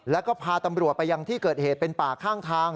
แล้วก็พาตำรวจไปยังที่เกิดเหตุเป็นป่าข้างทาง